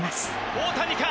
大谷か？